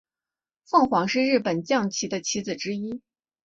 凤凰是日本将棋的棋子之一。